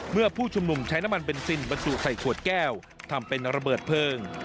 ผู้ชุมนุมใช้น้ำมันเบนซินบรรจุใส่ขวดแก้วทำเป็นระเบิดเพลิง